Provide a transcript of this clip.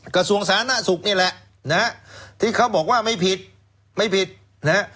กระทรวงสาธารณสุขนี่แหละนะฮะที่เขาบอกว่าไม่ผิดไม่ผิดนะฮะ